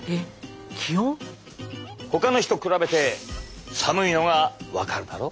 ほかの日と比べて寒いのが分かるだろ？